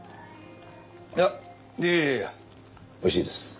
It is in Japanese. いやいやいやいやおいしいです。